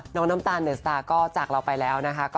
น้องน้ำตาลเดินสตาร์ก็จากเราไปแล้ว